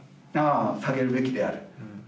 あ下げるべきである。